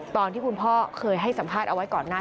ตอนที่คุณพ่อเคยให้สัมภาษณ์เอาไว้ก่อนหน้า